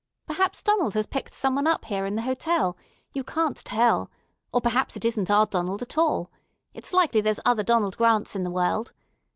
Perhaps Donald has picked up some one here in the hotel; you can't tell; or perhaps it isn't our Donald at all. It's likely there's other Donald Grants in the world.